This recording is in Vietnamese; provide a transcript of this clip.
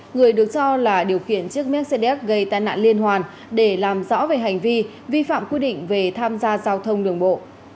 người được cho là điều khiển chiếc mercedes gây tai nạn liên hoàn để làm rõ về hành vi vi phạm quy định về tham gia giao thông đường bộ